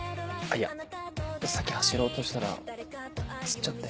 いやさっき走ろうとしたら攣っちゃって。